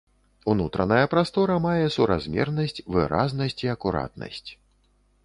Унутраная прастора мае суразмернасць, выразнасць і акуратнасць.